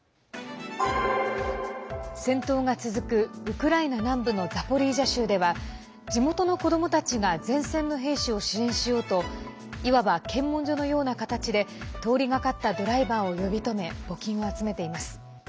戦闘が続くウクライナ南部のザポリージャ州では地元の子どもたちが前線の兵士を支援しようといわば検問所のような形で通りがかったドライバーを呼び止め募金を集めています。